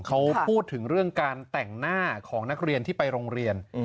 เขาพูดถึงเรื่องการแต่งหน้าของนักเรียนที่ไปโรงเรียน